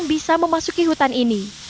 bisa memasuki hutan ini